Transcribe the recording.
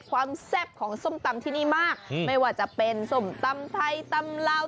แซ่บของส้มตำที่นี่มากไม่ว่าจะเป็นส้มตำไทยตำลาว